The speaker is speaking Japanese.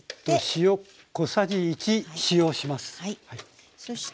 塩小さじ１使用します。